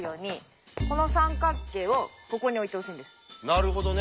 なるほどね。